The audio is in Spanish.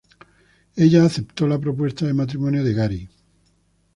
Ella acepta la propuesta de matrimonio de Gary.